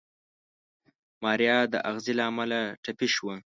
ماريا د اغزي له امله ټپي شوه.